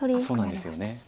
そうなんですよね。